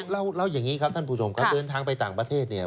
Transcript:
แล้วอย่างนี้ครับท่านผู้ชมครับเดินทางไปต่างประเทศเนี่ย